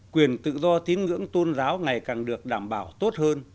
quyền tự do tín ngưỡng tôn giáo ngày càng được đảm bảo tốt hơn